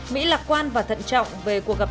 mỹ lạc quan và thận trọng về cuộc gặp